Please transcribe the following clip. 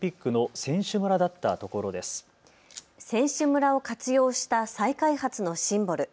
選手村を活用した再開発のシンボル。